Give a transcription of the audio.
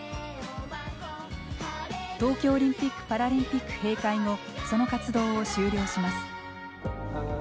東京オリンピックパラリンピック閉会後その活動を終了します。